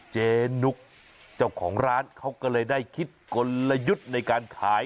เจ๊นุกเจ้าของร้านเขาก็เลยได้คิดกลยุทธ์ในการขาย